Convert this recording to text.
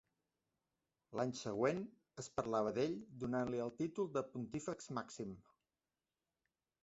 L’any següent es parlava d'ell donant-li el títol de Pontífex Màxim.